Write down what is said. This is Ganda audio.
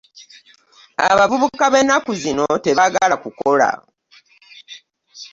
Abavubuka b'enaku zino tebagala kukola.